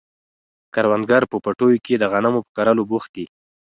کروندګر په پټیو کې د غنمو په کرلو بوخت دي.